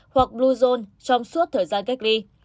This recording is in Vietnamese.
hoặc bluezone trong suốt thời gian cách ly